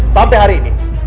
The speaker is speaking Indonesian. sampai hari ini